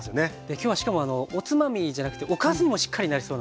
今日はしかもおつまみじゃなくておかずにもしっかりなりそうなね。